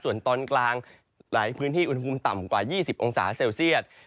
ส่วนตอนกลางหลายพื้นที่อุณหภูมิต่ำกว่า๒๐องศาเซลเซียต